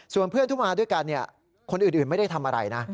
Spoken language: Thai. ส่วนเพื่อนที่มาด้วยกันคนอื่นไม่ได้ทำอะไรนะ